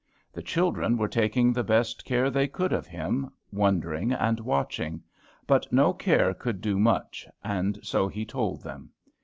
The children were taking the best care they could of him, wondering and watching. But no care could do much, and so he told them.